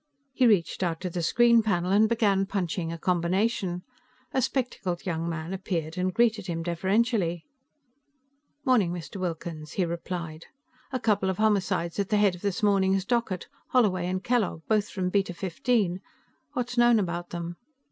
He reached out to the screen panel and began punching a combination. A spectacled young man appeared and greeted him deferentially. "Good morning, Mr. Wilkins," he replied. "A couple of homicides at the head of this morning's docket Holloway and Kellogg, both from Beta Fifteen. What is known about them?"